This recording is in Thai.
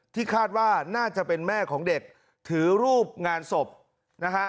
คาดว่าน่าจะเป็นแม่ของเด็กถือรูปงานศพนะฮะ